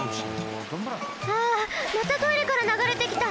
あまたトイレからながれてきた！